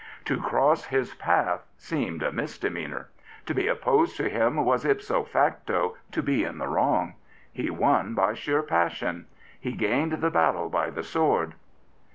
To cross his path seemed a misdemeanour. To be opposed to him was, ipso facto, to be in the wrong. He won by sheer passion. He gained the battle by the sword.